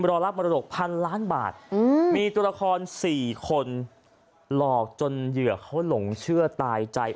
รอรับมรดกพันล้านบาทมีตัวละคร๔คนหลอกจนเหยื่อเขาหลงเชื่อตายใจ